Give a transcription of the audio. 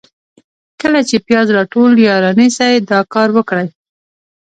کله چي پیاز راټول یا رانیسئ ، دا کار وکړئ: